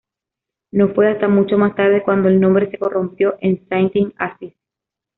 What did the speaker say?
No fue hasta mucho más tarde cuando el nombre se corrompió en "Sainte-Assise".